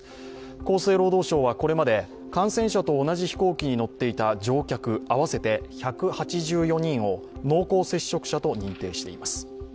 厚生労働省はこれまで感染者と同じ飛行機に乗っていた乗客合わせて１８４人を濃厚接触者と認定しています。